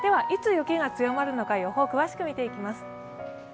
いつ雪が強まるのか、予報を詳しく見ていきます。